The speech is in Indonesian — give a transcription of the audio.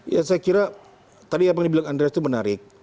ya saya kira tadi yang di bilang andres itu menarik